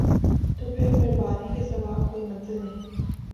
تو پھر بربادی کے سوا کوئی منزل نہیں ۔